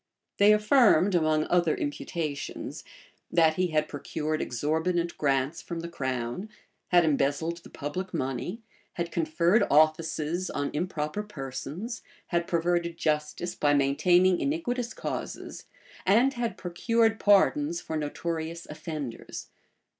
They affirmed, among other imputations, that he had procured exorbitant grants from the crown, had embezzled the public money, had conferred offices on improper persons, had perverted justice by maintaining iniquitous causes, and had procured pardons for notorious offenders.